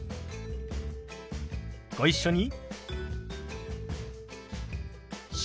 ご一緒に。